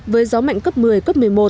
với gió mạnh cấp một mươi cấp một mươi một